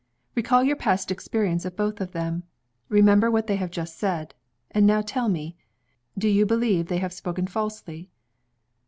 Recall your past experience of both of them; remember what they have just said; and now tell me do you believe they have spoken falsely?"